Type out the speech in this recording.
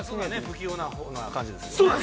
◆不器用な感じですね。